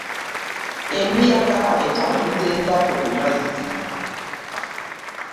Ebuyaga etambuza eryato ku mazzi.